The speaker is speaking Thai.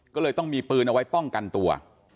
ก็เลยต้องมีปืนเอาไว้ป้องกันตัว